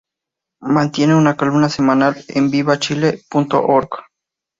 Mantiene una columna semanal en VivaChile.org.